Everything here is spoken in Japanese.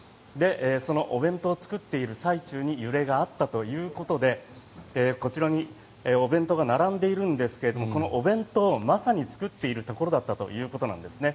そのお弁当を作っている最中に揺れがあったということでこちらにお弁当が並んでいるんですけどこのお弁当をまさに作っているところだったということなんですね。